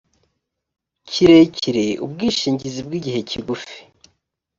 kirekire ubwishingizi bw igihe kigufi